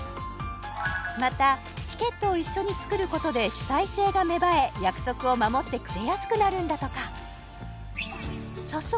またチケットを一緒に作ることで主体性が芽生え約束を守ってくれやすくなるんだとか早速